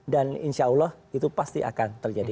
dan insyaallah itu pasti akan terjadi